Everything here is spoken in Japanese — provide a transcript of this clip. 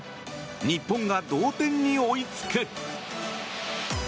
日本が同点に追いつく。